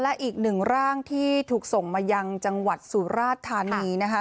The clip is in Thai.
และอีกหนึ่งร่างที่ถูกส่งมายังจังหวัดสุราธานีนะคะ